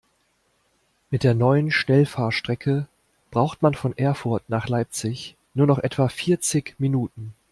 Mit der neuen Schnellfahrstrecke braucht man von Erfurt nach Leipzig nur noch etwa vierzig Minuten